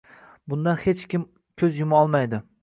Bundan hech kim ko‘z yuma olmaydi.